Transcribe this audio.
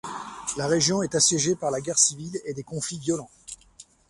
La région est assiégée par la guerre civile et des conflits violents.